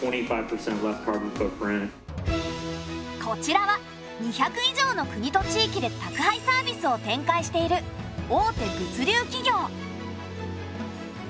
こちらは２００以上の国と地域で宅配サービスを展開している大手物流企業。